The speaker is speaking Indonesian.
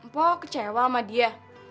pok kecewa sama dia